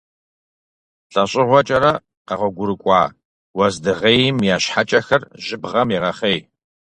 ЛӀэщӀыгъуэкӀэрэ къэгъуэгурыкӀуа уэздыгъейхэм я щхьэкӀэхэр жьыбгъэм егъэхъей.